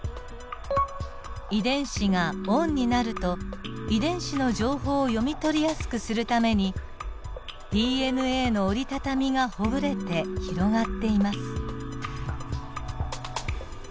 遺伝子がオンになると遺伝子の情報を読み取りやすくするためにＤＮＡの折りたたみがほぐれて広がっています。